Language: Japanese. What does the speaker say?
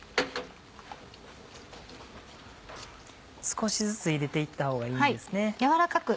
少しずつ入れて行ったほうがいいですね。